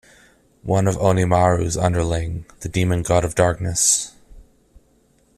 One of Onimaru's underling, the Demon God of Darkness.